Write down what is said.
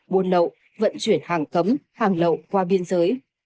buôn lậu vận chuyển hàng cấm hàng lậu qua biên giới